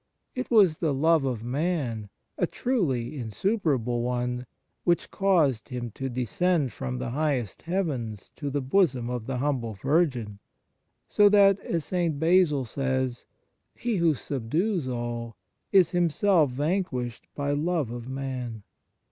It was the love of man, a truly insuperable one, which caused Him to descend from the highest heavens to the bosom of the humble Virgin, so that, as St. Basil says, He who subdues all is Himself vanquished by love of man.